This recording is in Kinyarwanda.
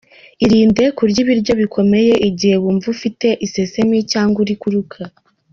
Irinde kurya ibiryo bikomeye igihe wumva ufite isesemi cyangwa uri kuruka.